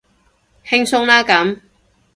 輕鬆啦咁